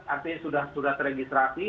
artinya sudah teregistrasi